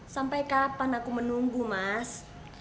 sampai kapan aku menunggu mas